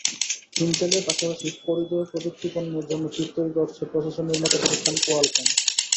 ইনটেলের পাশাপাশি পরিধেয় প্রযুক্তিপণ্যের জন্য চিপ তৈরি করেছে প্রসেসর নির্মাতা প্রতিষ্ঠান কোয়ালকম।